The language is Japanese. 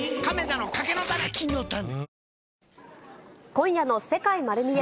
今夜の世界まる見え！